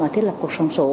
thiết lập cuộc sống số